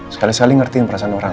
sekali sekali ngertiin perasaan orang